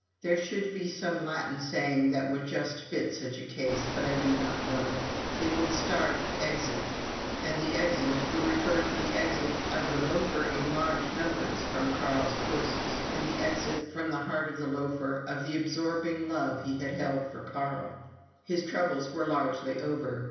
There should be some Latin saying that would just fit such a case, but I do not know it. It would start, "Exit ," and the exit would refer to the exit of the loafer in large numbers from Carl's courses and the exit from the heart of the loafer of the absorbing love he had held for Carl. His troubles were largely over.